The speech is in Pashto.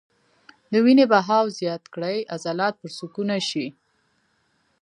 د وينې بهاو زيات کړي عضلات پرسکونه شي -